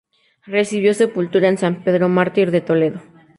Recibió sepultura en San Pedro Mártir de Toledo.